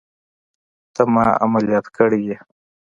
ته ما عمليات کړى يې.